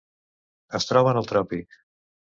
Es troba en el tròpic.